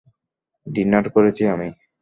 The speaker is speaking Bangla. ডিনার করেছি আমি।